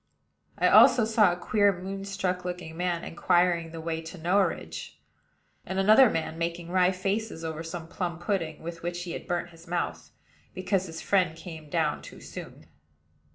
I also saw a queer moonstruck looking man inquiring the way to Norridge; and another man making wry faces over some plum pudding, with which he had burnt his mouth, because his friend came down too soon.